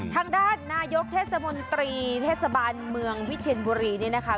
ทางด้านนายกเทศมนตรีเทศบาลเมืองวิทยาลัย